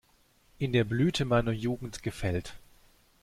In der Blüte meiner Jugend gefällt.